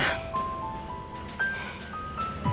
terus pulang ke rumah papa mama